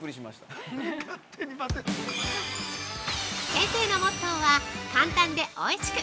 ◆先生のモットーは簡単でおいしく！